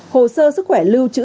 hồ sơ sức khỏe lưu chữ